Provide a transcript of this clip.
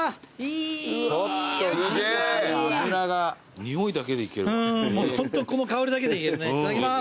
いただきます。